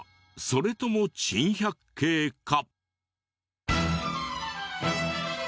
それとも珍百景か？